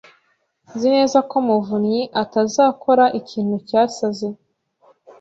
Nzi neza ko Muvunnyi atazakora ikintu cyasaze.